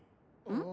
うん？